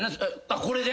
これで？